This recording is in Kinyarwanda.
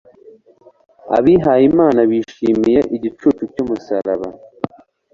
Abihayimana bishimiye igicucu cy'umusaraba